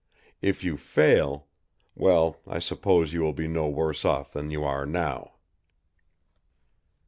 If you fail well, I suppose you will be no worse off than you are now!"